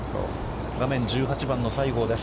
画面、１８番の西郷です。